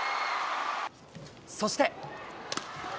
そして。